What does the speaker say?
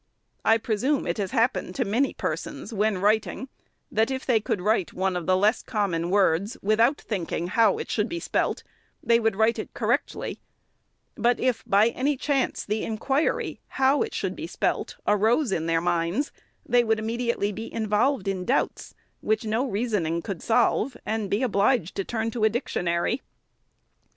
I presume it has happened to many persons, when writing, that if they could write one of the less common words, without thinking how it should be spelt, they would write it correctly ; but if, by any chance, the inquiry how it should be spelt arose in their minds, they would immediately be involved in doubts, which no reasoning could solve, and be obliged to 524 THE SECRETARY'S turn to a dictionary.